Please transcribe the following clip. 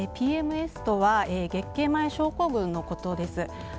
ＰＭＳとは月経前症候群のことです。